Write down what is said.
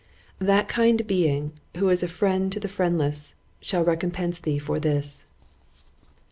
——That kind BEING, who is a friend to the friendless, shall recompence thee for this.